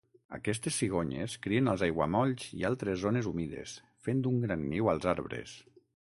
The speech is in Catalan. Aquestes cigonyes crien als aiguamolls i altres zones humides, fent un gran niu als arbres.